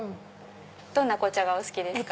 どんな紅茶がお好きですか？